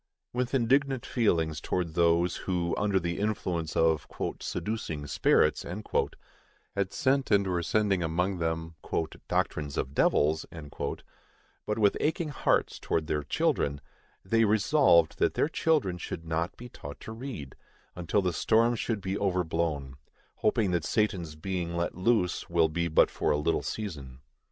With indignant feelings towards those, who, under the influence of "seducing spirits," had sent and were sending among them "doctrines of devils," but with aching hearts towards their children, they resolved that their children should not be taught to read, until the storm should be overblown; hoping that Satan's being let loose will be but for a little season.